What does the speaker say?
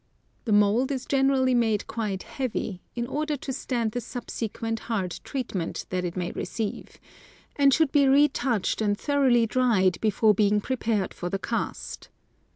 The mould is gen erally made quite heavy, in order to stand the 'subsequent hard treatment that it may receive, and should be retouched and thor Topographic Models. 265 oughly dried before being prepared for the cast.